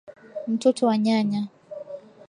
Mtoto wa nyanya.